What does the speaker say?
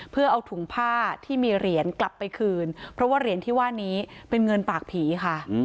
เพื่อเอาถุงผ้าที่มีเหรียญกลับไปคืนเพราะว่าเหรียญที่ว่านี้เป็นเงินปากผีค่ะ